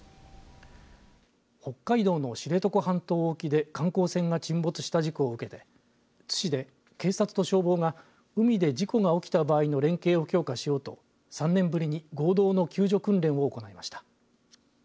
北海道の知床半島沖で観光船が沈没した事故を受けて津市で、警察と消防が海で事故が起きた場合の連携を強化しようと３年ぶりに合同の救助訓練を行いました。